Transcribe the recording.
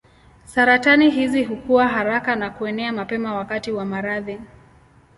Saratani hizi hukua haraka na kuenea mapema wakati wa maradhi.